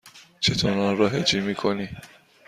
چطور آن را هجی می کنی؟